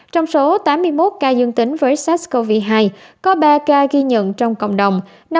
trong số tám mươi một ca dương tính với sars cov hai có ba ca ghi nhận trong cộng đồng